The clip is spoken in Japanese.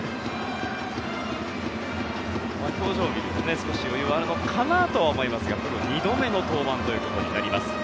表情を見ると少し余裕はあるのかなとは思いますが２度目の登板ということになります。